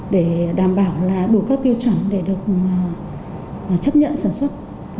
để đảm bảo đủ các tiêu chuẩn để được chấp nhận sản xuất